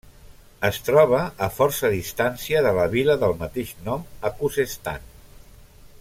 Es troba a força distància de la vila del mateix nom a Khuzestan.